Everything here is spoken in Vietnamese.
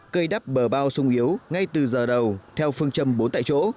cây đắp bờ bao sung yếu ngay từ giờ đầu theo phương châm bốn tại chỗ